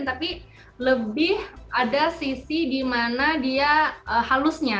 tapi lebih ada sisi di mana dia halusnya